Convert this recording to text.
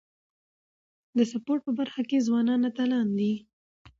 د سپورټ په برخه کي ځوانان اتلان دي.